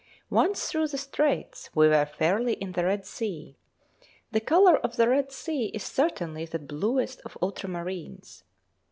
Once through the straits, we were fairly in the Red Sea. The colour of the Red Sea is certainly the bluest of ultramarines.